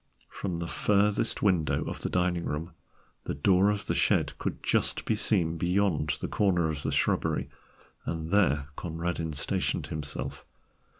From the furthest window of the dining room the door of the shed could just be seen beyond the corner of the shrubbery, and there Conradin stationed himself.